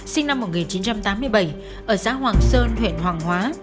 sinh năm một nghìn chín trăm tám mươi bảy ở xã hoàng sơn huyện hoàng hóa